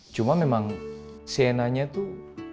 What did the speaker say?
cuma memang sienna nya tuh